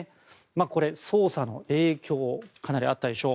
これ、捜査の影響かなりあったでしょう。